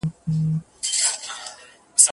تورو سترګو ته دي وایه چي زخمي په زړګي یمه